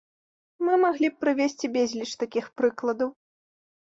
Мы маглі б прывесці безліч такіх прыкладаў.